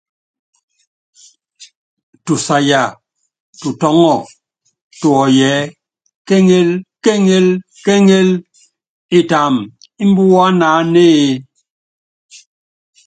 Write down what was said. Tusaya tutɔ́ŋɔ tuɔyɔ ɛ́ɛ: kéŋél kéŋél, itam ímbíwá naánéé?